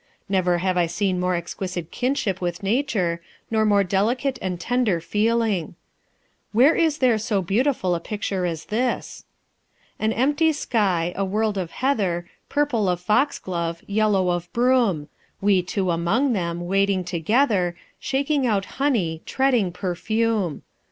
Never have I seen more exquisite kinship with nature, or more delicate and tender feeling. Where is there so beautiful a picture as this? "An empty sky, a world of heather, Purple of fox glove, yellow of broom; We two among them, wading together, Shaking out honey, treading perfume.